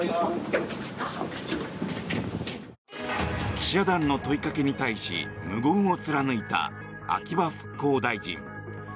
記者団の問いかけに対し無言を貫いた秋葉復興大臣。